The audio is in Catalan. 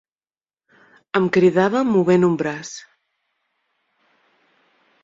Em cridava movent un braç